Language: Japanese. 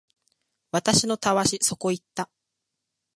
私のたわしそこ行った